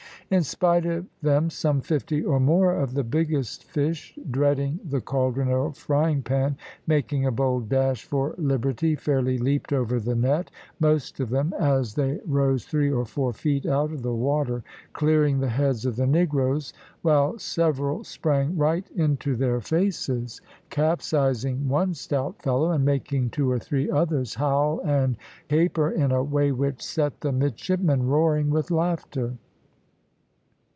In spite of them some fifty or more of the biggest fish, dreading the cauldron or frying pan, making a bold dash for liberty, fairly leaped over the net, most of them, as they rose three or four feet out of the water, clearing the heads of the negroes, while several sprang right into their faces, capsizing one stout fellow, and making two or three others howl and caper in a way which set the midshipmen roaring with laughter.